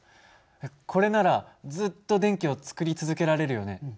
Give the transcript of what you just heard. これならずっと電気を作り続けられるよね。